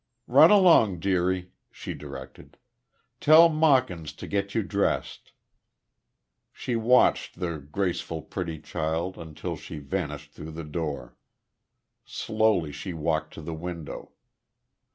"Run along, dearie," she directed. "Tell Mawkins to get you dressed." She watched the graceful, pretty child until she vanished through the door. Slowly she walked to the window.